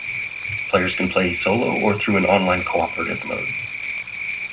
Players can play solo or through an online cooperative mode.